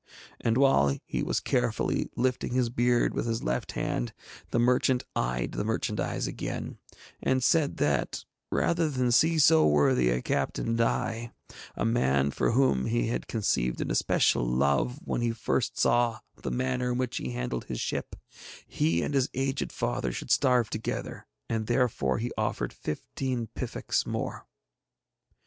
And while he was carefully lifting his beard with his left hand, the merchant eyed the merchandise again, and said that rather than see so worthy a captain die, a man for whom he had conceived an especial love when first he saw the manner in which he handled his ship, he and his aged father should starve together and therefore he offered fifteen piffeks more.